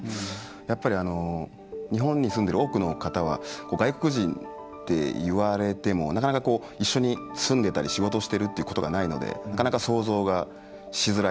やっぱり、日本に住んでいる多くの方は外国人って言われてもなかなか一緒に住んでいたり仕事をしているっていうことがないのでなかなか、想像がしづらい。